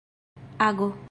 ago